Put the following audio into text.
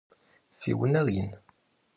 Fi vuner yin?